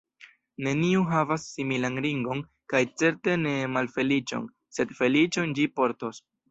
Neniu havas similan ringon kaj certe ne malfeliĉon, sed feliĉon ĝi portos.